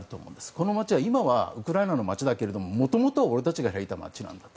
この街は今はウクライナの街だけど元々は俺たちの街なんだと。